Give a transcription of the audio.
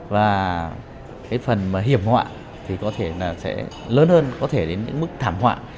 và phần hiểm họa có thể lớn hơn có thể đến mức thảm họa